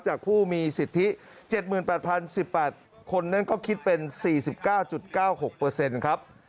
จากผู้มีสิทธิ๗๘๐๑๘คนนั้นก็คิดเป็น๔๙๙๖เปอร์เซ็นต์ครับ